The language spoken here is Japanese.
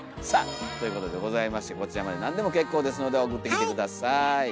さあということでございましてこちらまで何でも結構ですので送ってきて下さい。